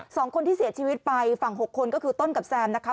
สองคนที่เสียชีวิตไปฝั่งหกคนก็คือต้นกับแซมนะคะ